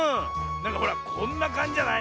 なんかほらこんなかんじじゃない？